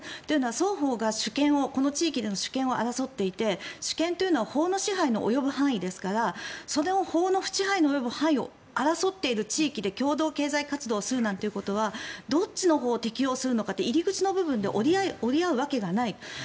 というのは双方がこの地域での主権を争っていて主権というのは法の支配に及ぶ範囲ですからそれを、法の支配の及ぶ範囲を争っている地域で共同経済活動をするなんてことはどっちの法を適用するのかって入り口の部分で折り合うわけがない。